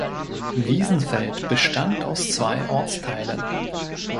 Wiesenfeld bestand aus zwei Ortsteilen.